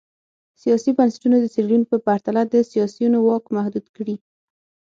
سیاسي بنسټونه د سیریلیون په پرتله د سیاسیونو واک محدود کړي.